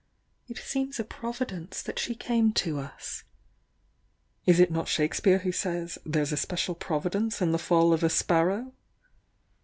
It seems a providence that she came to us." "Is it not Shakespeare who says, 'There's a spe cial providence in the fall of a sparrow'?"